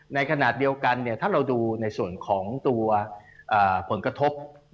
ในขณะเดียวกันถ้าเราดูในส่วนของตัวผลกระทบ